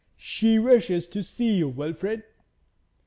'She wishes to see you, Wilfrid.'